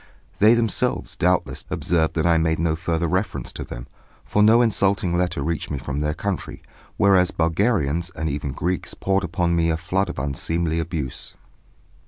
They themselves, doubtless, observed that I made no further reference to them, for no insulting letter reached me from their country, whereas Bulgarians and even Greeks poured upon me a flood of unseemly abuse.